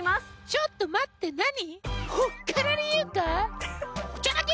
ちょっと待って何？